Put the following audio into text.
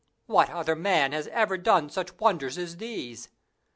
What other man has ever done such wonders as these?